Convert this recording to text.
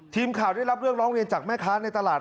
ทีมข่าวได้รับเรื่องร้องเรียนจากแม่ค้าในตลาด